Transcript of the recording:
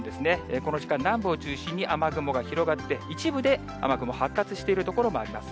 この時間、南部を中心に雨雲が広がって、一部で雨雲、発達している所もあります。